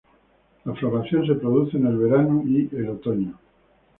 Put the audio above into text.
La floración se produce en el verano y el otoño.